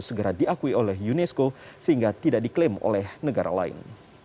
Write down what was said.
segera diakui oleh unesco sehingga tidak diklaim oleh negara lain